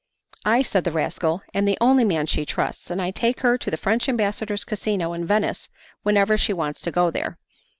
'I,' said the rascal, 'am the only man she trusts, and I take her to the French ambassador's casino in Venice whenever she wants to go there.